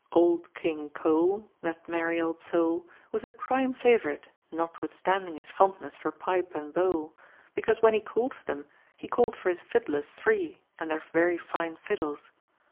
Old King Cole, that merry old soul, was a prime favorite, notwithstanding his fondness for pipe and bowl, because when he called for them he called for his fiddlers three and their very fine fiddles.